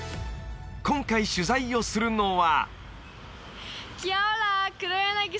今回取材をするのはキアオラ！